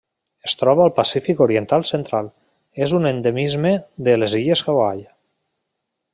Es troba al Pacífic oriental central: és un endemisme de les illes Hawaii.